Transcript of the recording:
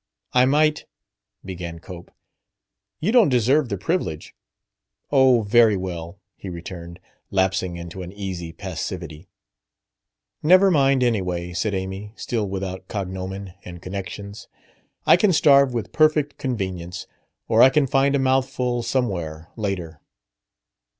"I might " began Cope. "You don't deserve the privilege." "Oh, very well," he returned, lapsing into an easy passivity. "Never mind, anyway," said Amy, still without cognomen and connections; "I can starve with perfect convenience. Or I can find a mouthful somewhere, later."